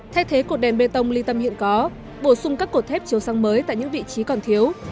thay thế cột đèn bê tông ly tâm hiện có bổ sung các cột thép chiếu sáng mới tại những vị trí còn thiếu